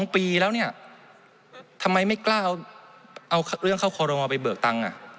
๒ปีแล้วเนี่ยทำไมไม่กล้าเอาเรื่องเข้าคอรมอลไปเบิกตังค์